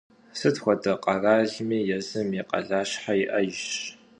Sıt xuede kheralmi yêzım yi khalaşhe yi'ejjş.